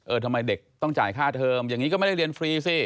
ทำไมเด็กต้องจ่ายค่าเทอมอย่างนี้ก็ไม่ได้เรียนฟรีสิ